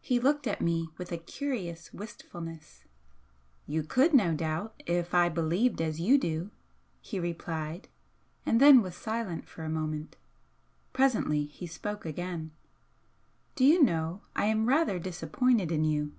He looked at me with a curious wistfulness. "You could, no doubt, if I believed as you do," he replied, and then was silent for a moment. Presently he spoke again. "Do you know I am rather disappointed in you?"